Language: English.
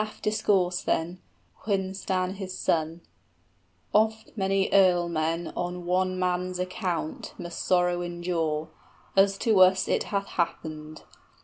} Wiglaf discoursed then, Wihstan his son: 20 "Oft many an earlman on one man's account must Sorrow endure, as to us it hath happened.